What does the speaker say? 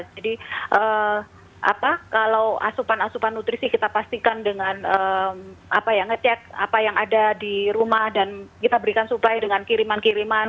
jadi kalau asupan asupan nutrisi kita pastikan dengan ngecek apa yang ada di rumah dan kita berikan supply dengan kiriman kiriman